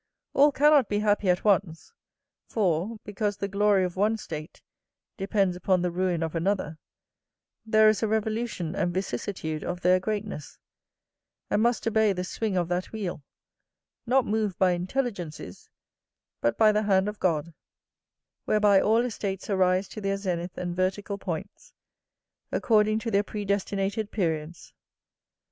All cannot be happy at once; for, because the glory of one state depends upon the ruin of another, there is a revolution and vicissitude of their greatness, and must obey the swing of that wheel, not moved by intelligencies, but by the hand of God, whereby all estates arise to their zenith and vertical points, according to their predestinated periods.